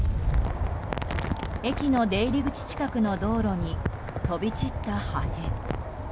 駅の出入り口近くの道路に飛び散った破片。